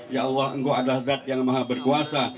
ya allah engkau adalah zat yang maha berkuasa